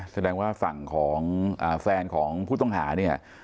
แสดงว่าฝั่งของแฟนของผู้ต้องหาเนี่ย